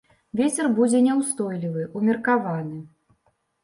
Вецер будзе няўстойлівы ўмеркаваны.